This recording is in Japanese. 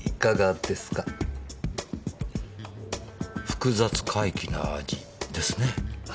複雑怪奇な味ですね。